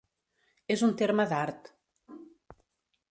És un terme d'art.